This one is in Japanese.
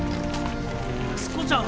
安子ちゃん。